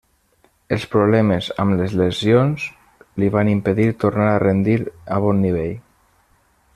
Els problemes amb les lesions li van impedir tornar a rendir a bon nivell.